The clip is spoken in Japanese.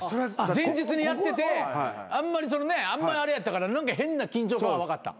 前日にやっててあんまりあれやったから変な緊張感は分かった。